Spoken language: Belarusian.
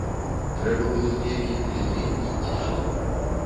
Трэба было неяк інтэлігентней, ці што.